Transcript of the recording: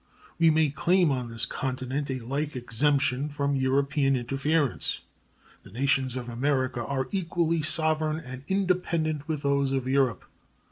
We may claim on this continent a like exemption from European interference. The nations of America are equally sovereign and independent with those of Europe.